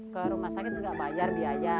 ke rumah sakit nggak bayar biaya